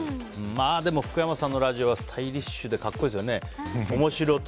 でも、福山さんのラジオはスタイリッシュで格好いいですよね。